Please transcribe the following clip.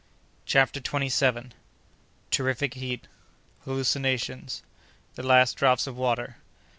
CHAPTER TWENTY SEVENTH. Terrific Heat.—Hallucinations.—The Last Drops of Water.